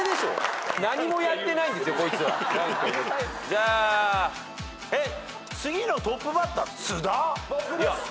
じゃあえっ！？